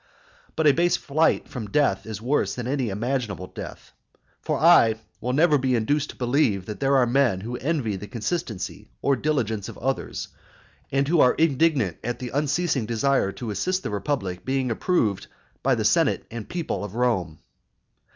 But a base flight from death is worse than any imaginable death. For I will never be induced to believe that there are men who envy the consistency or diligence of others, and who are indignant at the unceasing desire to assist the republic being approved by the senate and people of Rome.